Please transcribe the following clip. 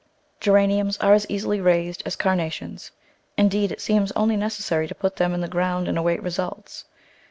Geraniums are as easily raised as Carnations — in deed, it seems only necessary to put them in the ground and await results.